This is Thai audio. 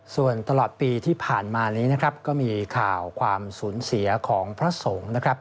ส่วนตลอดปีที่ผ่านมานี้นะครับก็มีข่าวความสูญเสียของพระสงฆ์นะครับ